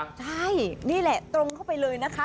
ใช่นี่แหละตรงเข้าไปเลยนะคะ